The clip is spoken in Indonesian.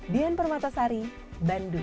dian permata sari bandung